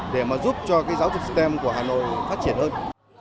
để mà giúp cho cái giáo dục stem của hà nội phát triển hơn